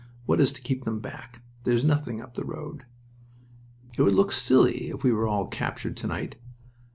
What is to keep them back? There's nothing up the road." "It would look silly if we were all captured to night.